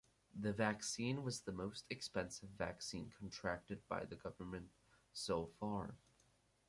The vaccine was the most expensive vaccine contracted by the government so far.